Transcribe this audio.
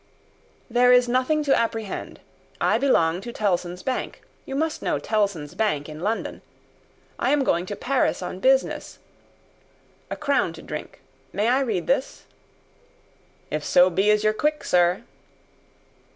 "There is nothing to apprehend. I belong to Tellson's Bank. You must know Tellson's Bank in London. I am going to Paris on business. A crown to drink. I may read this?" "If so be as you're quick, sir."